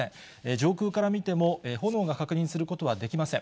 上空から見ても、炎が確認することはできません。